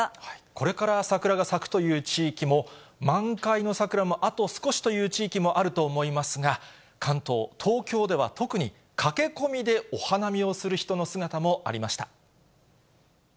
これから桜が咲くという地域も、満開の桜もあと少しという地域もあると思いますが、関東、東京では特に、駆け込みでお花見をする人の姿もありました。